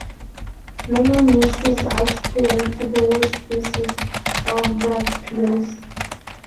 Many niches articulate the wall-spaces of the piers.